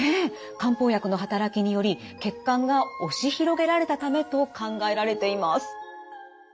漢方薬の働きにより血管が押し広げられたためと考えられています。